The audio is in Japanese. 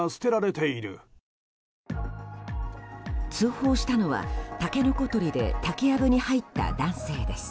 通報したのは、タケノコ採りで竹やぶに入った男性です。